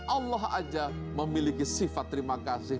allah aja memiliki sifat terima kasih